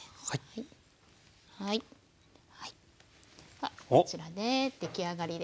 ではこちらで出来上がりです。